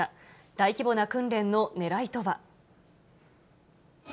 大規模な訓練のねらいとは。